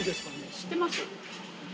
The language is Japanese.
知ってます？